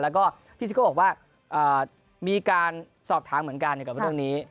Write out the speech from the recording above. แล้วก็พี่ซิโก้บอกว่ามีการสอบถามเหมือนกันเกี่ยวกับเรื่องนี้